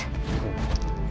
tunggu teman saya